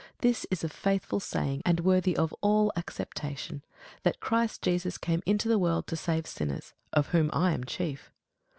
This is a faithful saying, and worthy of all acceptation, that Christ Jesus came into the world to save sinners; of whom I am chief.